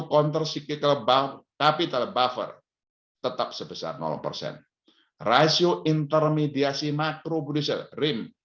counter sikil kelebar tapi telepon tetap sebesar nol persen rasio intermediasi makro budisil rim